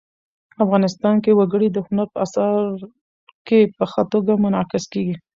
افغانستان کې وګړي د هنر په اثار کې په ښه توګه منعکس کېږي.